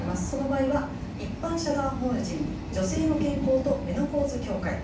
その場合は、一般社団法人女性の健康とメノポーズ協会